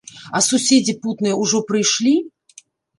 А суседзі путныя ўжо прыйшлі?